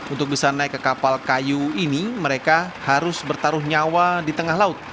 untuk bisa naik ke kapal kayu ini mereka harus bertaruh nyawa di tengah laut